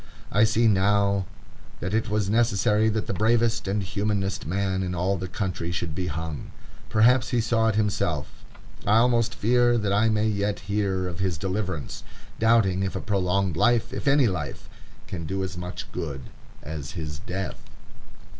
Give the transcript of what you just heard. I see now that it was necessary that the bravest and humanest man in all the country should be hung. Perhaps he saw it himself. I almost fear that I may yet hear of his deliverance, doubting if a prolonged life, if any life, can do as much good as his death.